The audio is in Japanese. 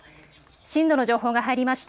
震度の情報が入りました。